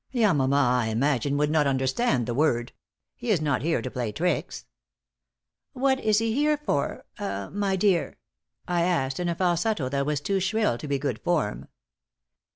"Yamama, I imagine, would not understand the word. He is not here to play tricks." "What is he here for ah my dear?" I asked, in a falsetto that was too shrill to be good form.